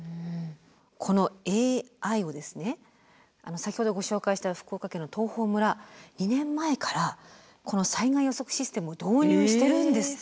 このＡＩを先ほどご紹介した福岡県の東峰村２年前からこの災害予測システムを導入してるんですって。